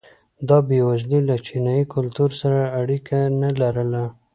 دا بېوزلي له چینايي کلتور سره اړیکه نه لرله.